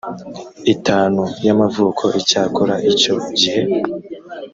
itanu y amavuko icyakora icyo gihe